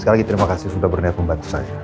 sekali lagi terima kasih sudah berniat membantu saya